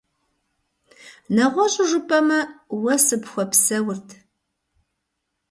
НэгъуэщӀу жыпӀэмэ, уэ сыпхуэпсэурт…